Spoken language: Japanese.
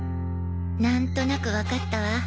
なんとなくわかったわ。